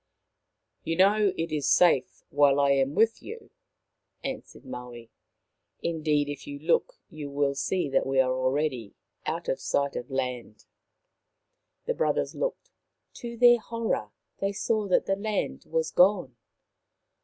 " You know it is safe while I am with you," More about Maui 93 answered Maui. " Indeed, if you look you will see that we are already out of sight of land." The brothers looked. To their horror they saw that the land was gone.